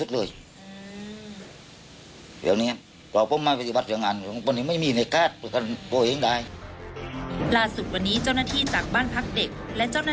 เราจะบังเอิงอยู่กับจับคุณ